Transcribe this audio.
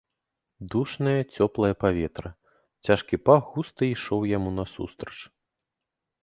Душнае, цёплае паветра, цяжкі пах густа ішоў яму насустрач.